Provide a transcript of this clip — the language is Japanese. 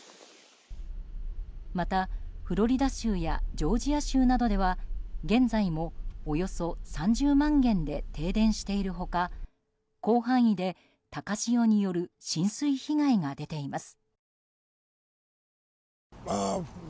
また、フロリダ州やジョージア州などでは現在もおよそ３０万軒で停電している他広範囲で、高潮による浸水被害が出ています。